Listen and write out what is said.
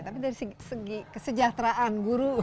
tapi dari segi kesejahteraan guru